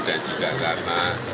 dan juga karena